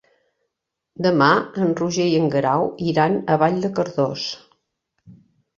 Demà en Roger i en Guerau iran a Vall de Cardós.